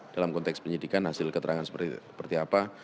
dalam konteks penyidikan hasil keterangan seperti apa